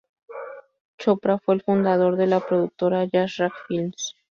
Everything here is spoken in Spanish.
Chopra fue el fundador de la productora "Yash Raj Films".